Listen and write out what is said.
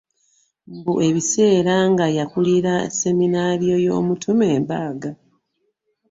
Mbu ebiseera nga yakulira sseminariyo y'omutume Mbaaga